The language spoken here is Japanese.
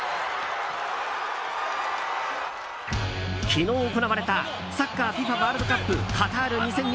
昨日行われたサッカーＦＩＦＡワールドカップカタール２０２２